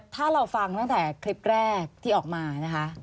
ถ้าเราฟังตั้งแต่คลิปแรกที่ออกมานะคะ